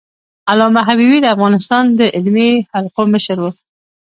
علامه حبيبي د افغانستان د علمي حلقو مشر و.